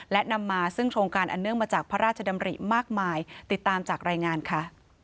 และนำมาซึ่งโครงการอันเนื่องมาจากพระราชดำริมากมายติดตามจากรายงานค่ะ